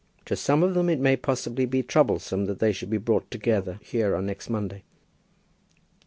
To some of them it may possibly be troublesome that they should be brought together here on next Monday." Dr.